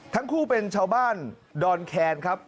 ทั้งคู่เป็นชาวบ้านดอนแคนครับ